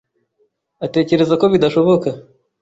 atekereza ko bidashoboka.